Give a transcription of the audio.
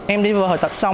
em đi vào hợp tập xong